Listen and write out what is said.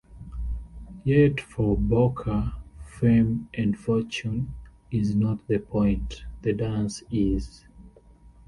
Yet for Bocca, fame and fortune is not the point-the dance is.